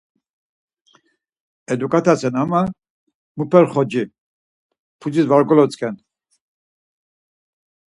Eluǩatasen ama muper xoci, pucis var go-latzǩen.